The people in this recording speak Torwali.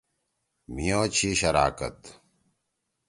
مھی او چھی شراکت۔